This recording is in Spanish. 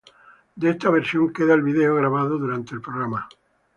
De esta versión queda el video grabado durante el programa.